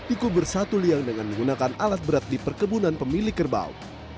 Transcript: ikut bersatu liang dengan menggunakan alat berat di perkebunan pemilik kerbau